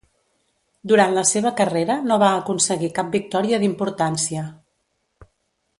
Durant la seva carrera no va aconseguir cap victòria d'importància.